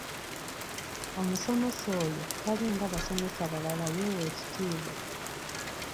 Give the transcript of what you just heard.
Omusomesa oyo talinga basomesa balala yeewa ekitiibwa.